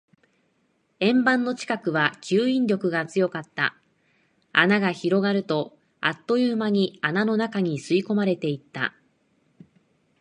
円盤の近くは吸引力が強かった。穴が広がると、あっという間に穴の中に吸い込まれていった。